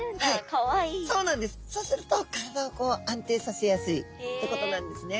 そうすると体をこう安定させやすいってことなんですね。